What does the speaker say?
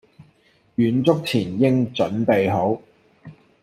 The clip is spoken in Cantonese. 遠足前應準備好